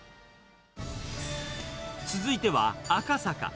続いては、赤坂。